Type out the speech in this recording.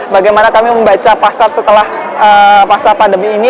bagaimana kami membaca pasar setelah masa pandemi ini